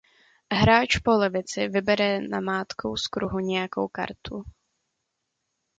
Hráč po levici vybere namátkou z kruhu nějakou kartu.